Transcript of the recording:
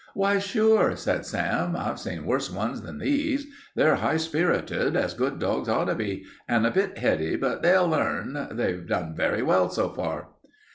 "Why, sure," said Sam. "I've seen worse ones than these. They're high spirited, as good dogs ought to be, and a bit heady, but they'll learn. They've done very well, so far."